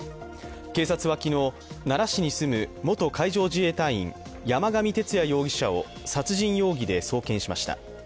警察は昨日、奈良市に住む元海上自衛隊員、山上徹也容疑者を殺人容疑で送検しました。